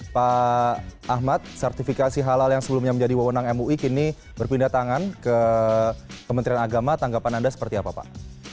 pak ahmad sertifikasi halal yang sebelumnya menjadi wawonang mui kini berpindah tangan ke kementerian agama tanggapan anda seperti apa pak